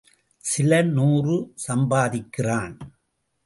சில நூறு சம்பாதிக்கிறான்.